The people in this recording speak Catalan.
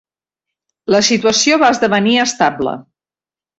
La situació va esdevenir estable.